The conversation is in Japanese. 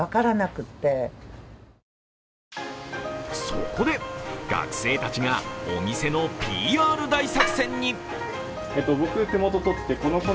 そこで、学生たちがお店のＰＲ大作戦に。